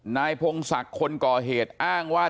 นายพงศักดิ์คนก่อเหตุอ้างว่า